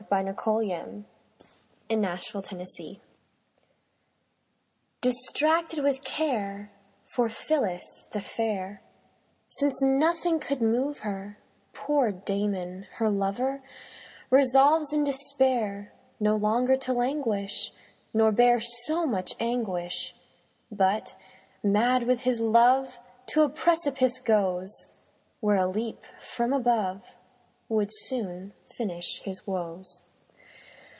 William Walsh The Despairing Lover DISTRACTED with care, For Phillis the fair, Since nothing could move her, Poor Damon, her lover, Resolves in despair No longer to languish, Nor bear so much anguish; But, mad with his love, To a precipice goes; Where a leap from above Would soon finish his woes.